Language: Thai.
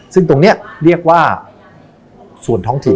ซึ่งตรงนี้เรียกว่าส่วนท้องถิ่น